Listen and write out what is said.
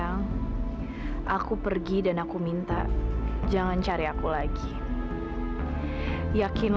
dan aku pikir pernikahan hanya akan membuatku lalai pada vino